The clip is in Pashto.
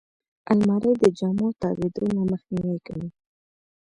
الماري د جامو تاویدو نه مخنیوی کوي